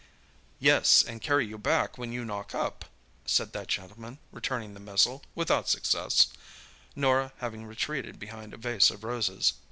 "Yes, and carry you back when you knock up," said that gentleman, returning the missile, without success, Norah having retreated behind a vase of roses.